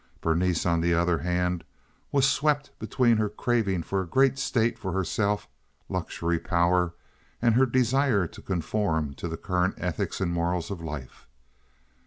Berenice, on the other hand, was swept between her craving for a great state for herself—luxury, power—and her desire to conform to the current ethics and morals of life.